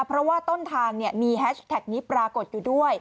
เพราะว่าต้นทางมีแฮชแท็กนี้ปรากฏอยู่ด้วย